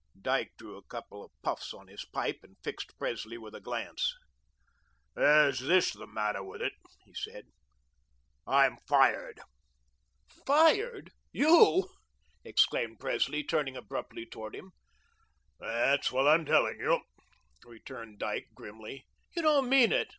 Dyke drew a couple of puffs on his pipe, and fixed Presley with a glance. "There's this the matter with it," he said; "I'm fired." "Fired! You!" exclaimed Presley, turning abruptly toward him. "That's what I'm telling you," returned Dyke grimly. "You don't mean it.